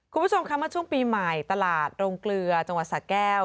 คุณผู้ชมคะมาช่วงปีใหม่ตลาดโรงเกลือจังหวัดสะแก้ว